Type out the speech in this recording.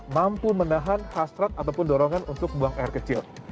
mampu menahan hasrat ataupun dorongan untuk buang air kecil